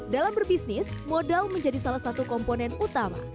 dalam berbisnis modal menjadi salah satu komponen utama